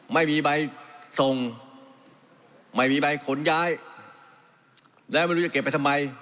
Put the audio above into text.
ไม่มีใบส่งไม่มีใบขนย้ายแล้วไม่รู้จะเก็บไปทำไม